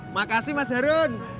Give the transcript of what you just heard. makasih mas harun